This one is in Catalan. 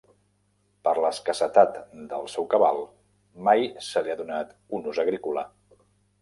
Per l'escassetat del seu cabal, mai se li ha donat un ús agrícola.